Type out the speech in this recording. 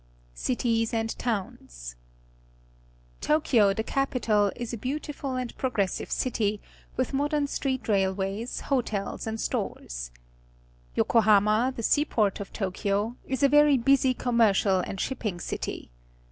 Cities and Towns. — Tokyo, the capital, is a beautiful and progressive city, ^^ith modern street railways, hotels, and stores. Yoko hama, the seaport of Tokyo, is a very biSy commercial and shipping city.